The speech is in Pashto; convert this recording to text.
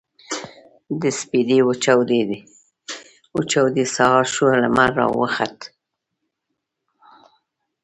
د سپـېدې وچـاودې سـهار شـو لمـر راوخـت.